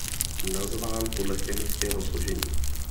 Nazván podle chemického složení.